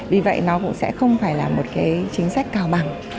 vì vậy nó cũng sẽ không phải là một cái chính sách cao bằng